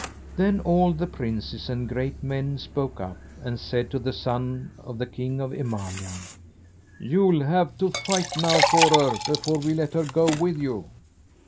Then all the princes and great men spoke up, and said to the son of the king of Emania: "You'll have to fight now for her before we let her go with you."